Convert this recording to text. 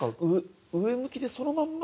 上向きでそのまま。